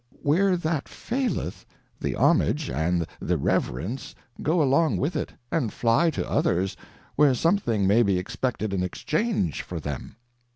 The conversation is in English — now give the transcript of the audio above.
Where that faileth, the Homage and the Reverence go along with it, and fly to others where something may be ex pected in exchange for them.